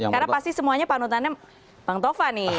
karena pasti semuanya panduannya bang tova nih